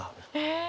え！